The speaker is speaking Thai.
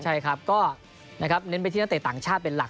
ใช่ครับก็เน้นไปที่นักเตะต่างชาติเป็นหลัก